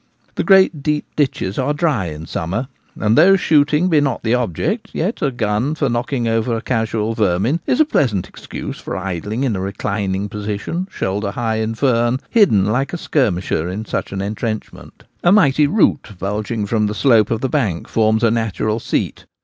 The great deep ditches are dry in summer ; and though shooting be not the object, yet a gun for knocking over casual vermin is a pleasant excuse for idling in a reclining position shoulder high in fern, hidden like a skir misher in such an entrenchment. A mighty root bulging from the slope of the bank forms a natural seat.